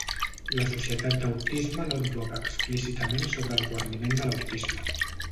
La Societat d'Autisme no advoca explícitament sobre el guariment de l'autisme.